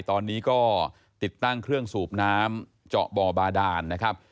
ตอนนี้ก็ติดตั้งเครื่องสูบน้ำเจาะบ่อบาดานนะครับ